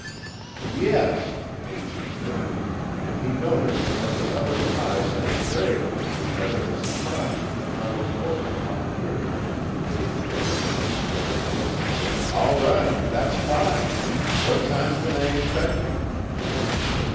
"Yes," answered Brent, and he noticed that the other's eyes had strayed in evident surprise to the pile of books upon the table among the dirty dishes. "All right, that's fine! What time can I expect you?"